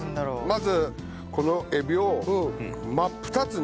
まずこのエビを真っ二つに。